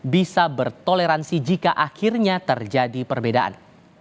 bisa bertoleransi jika akhirnya terjadi perbedaan